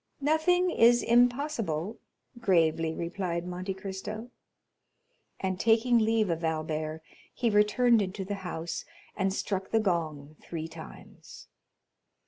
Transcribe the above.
"Nothing is impossible," gravely replied Monte Cristo; and taking leave of Albert, he returned into the house, and struck the gong three times.